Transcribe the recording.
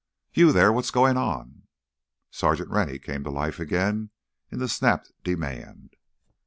"You there—what's goin' on!" Sergeant Rennie came to life again in the snapped demand.